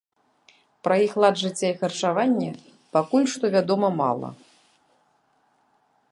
Пра іх лад жыцця і харчаванне пакуль што вядома мала.